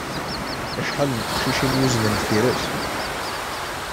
Acḥal n teqcicin yuzzlen deffir-s.